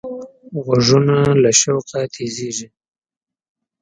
غوږونه له شوقه تیزېږي